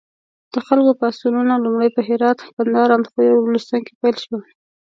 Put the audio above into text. د خلکو پاڅونونه لومړی په هرات، کندهار، اندخوی او بلوچستان کې پیل شول.